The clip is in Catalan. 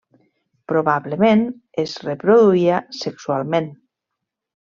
Probablement, es reproduïa sexualment.